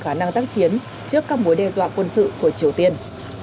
khả năng tác chiến trước các mối đe dọa quân sự của triều tiên